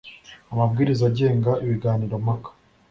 Amabwiriza agenga ibiganiro mpaka